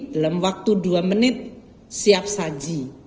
dalam waktu dua menit siap saji